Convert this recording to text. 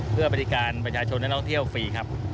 เพื่อบริการประชาชนนักท่องเที่ยวฟรีครับ